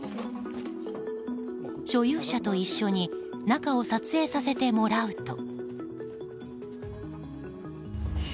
所有者と一緒に中を撮影させてもらうと。